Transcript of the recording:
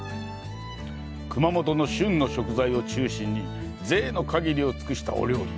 熊本の旬の食材を中心に、ぜいの限りを尽くしたお料理。